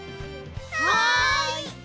はい！